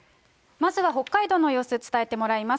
まずは北海道の様子、伝えてもらいます。